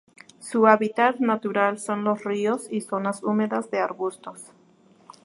Su hábitat natural son: los ríos y zonas húmedas de arbustos.